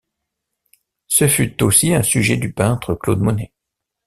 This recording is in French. Ce fut aussi un sujet du peintre Claude Monet.